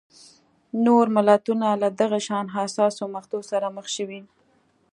نور ملتونه له دغه شان حساسو مقطعو سره مخ شوي.